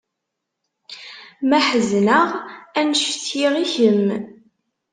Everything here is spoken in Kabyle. Ma ḥezneɣ ad n-cetkiɣ i kemm.